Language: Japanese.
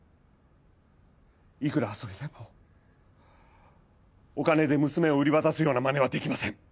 いくら遊びでもお金で娘を売り渡すようなまねはできません。